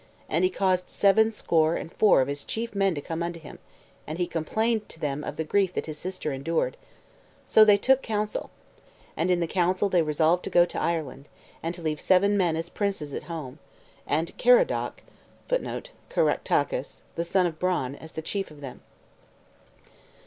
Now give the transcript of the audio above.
And he caused seven score and four of his chief men to come unto him, and he complained to them of the grief that his sister endured. So they took counsel. And in the counsel they resolved to go to Ireland, and to leave seven men as princes at home, and Caradoc, [Footnote: Caractacus.] the son of Bran, as the chief of them.